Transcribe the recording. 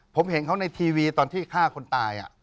ผมเห็นเขาในทีวีตอนที่ฆ่าคนตาย